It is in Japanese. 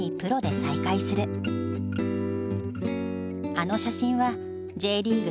「あの写真はＪリーグ